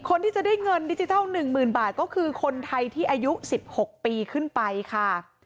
คนที่จะได้เงินดิจิทัล๑๐๐๐บาทก็คือคนไทยที่อายุ๑๖ปีขึ้นไปค่ะ